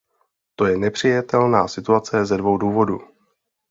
To je nepřijatelná situace ze dvou důvodů.